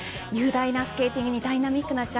雄大なスケーティングにダイナミックな